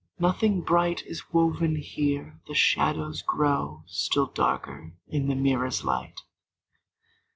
Nothing bright Is woven here: the shadows grow Still darker in the mirror's light!